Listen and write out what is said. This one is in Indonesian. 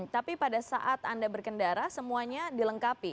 tapi pada saat anda berkendara semuanya dilengkapi